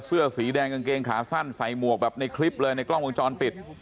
เสื้อสีแดงกางเกงขาสั้นใส่หมวกแบบในคลิปเลยในกล้องวงจรปิด